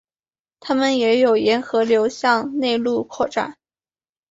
它们也有沿河流向内陆扩展。